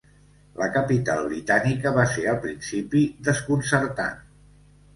La capital britànica va ser al principi desconcertant.